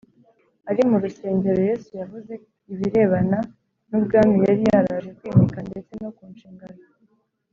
ari mu rusengero, yesu yavuze ibirebana n’ubwami yari yaraje kwimika ndetse no ku nshingano